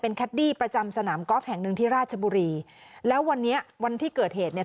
แคดดี้ประจำสนามกอล์ฟแห่งหนึ่งที่ราชบุรีแล้ววันนี้วันที่เกิดเหตุเนี่ย